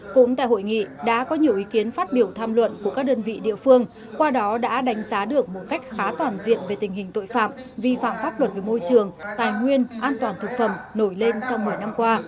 cũng tại hội nghị đã có nhiều ý kiến phát biểu tham luận của các đơn vị địa phương qua đó đã đánh giá được một cách khá toàn diện về tình hình tội phạm vi phạm pháp luật về môi trường tài nguyên an toàn thực phẩm nổi lên trong một mươi năm qua